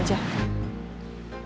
kerjaan seperti orang pada umumnya